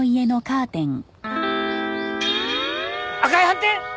赤い斑点！